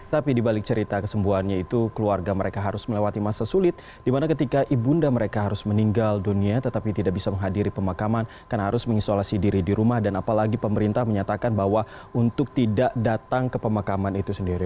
tapi dibalik cerita kesembuhannya itu keluarga mereka harus melewati masa sulit di mana ketika ibunda mereka harus meninggal dunia tetapi tidak bisa menghadiri pemakaman karena harus mengisolasi diri di rumah dan apalagi pemerintah menyatakan bahwa untuk tidak datang ke pemakaman itu sendiri